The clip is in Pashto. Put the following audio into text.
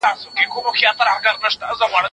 ظالمه زمانه ده جهاني له چا به ژاړو